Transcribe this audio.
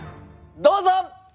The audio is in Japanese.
どうぞ！